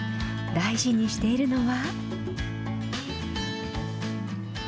大事にしているのは。